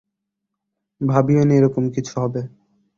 ভাবিওনি এরকম কিছু হবে।